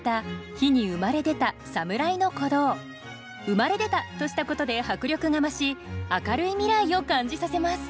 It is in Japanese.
「生まれ出た」としたことで迫力が増し明るい未来を感じさせます。